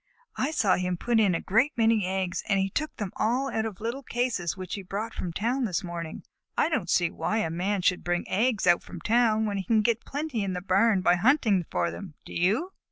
I saw him put in a great many eggs, and he took them all out of little cases which he brought from town this morning. I don't see why a Man should bring eggs out from town, when he can get plenty in the barn by hunting for them. Do you?"